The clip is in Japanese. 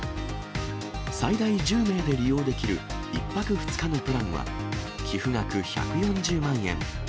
最大１０名で利用できる、１泊２日のプランは、寄付額１４０万円。